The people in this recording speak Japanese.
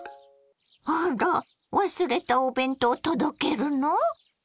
あら忘れたお弁当届けるの？